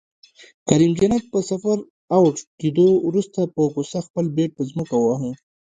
کریم جنت په صفر اؤټ کیدو وروسته په غصه خپل بیټ په ځمکه وویشت